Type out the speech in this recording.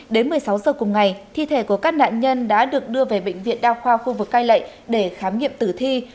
đến một mươi sáu giờ cùng ngày thi thể của các nạn nhân đã được đưa về bệnh viện đa khoa khu vực cai lệ để khám nghiệm tử thi